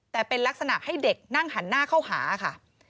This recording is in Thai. แต่เป็นลักษณะให้เด็กนั่งหันหน้าเข้าหาค่ะ